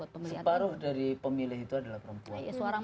separuh dari pemilih itu adalah perempuan